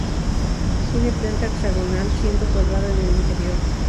Tiene planta hexagonal, siendo cuadrada en el interior.